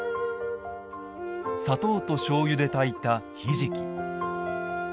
砂糖としょうゆで炊いた、ひじき。